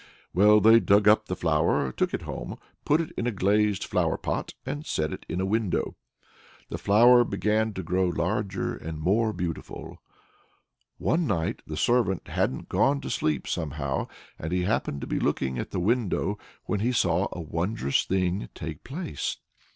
Well, they dug up the flower, took it home, put it in a glazed flower pot, and set it in a window. The flower began to grow larger and more beautiful. One night the servant hadn't gone to sleep somehow, and he happened to be looking at the window, when he saw a wondrous thing take place.